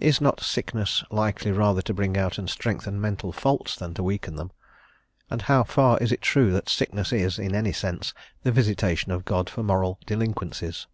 Is not sickness likely rather to bring out and strengthen mental faults than to weaken them? And how far is it true that sickness is, in any sense, the visitation of God for moral delinquencies?